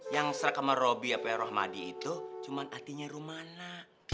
yang serak sama robi apa rahmadi itu cuma hatinya rumana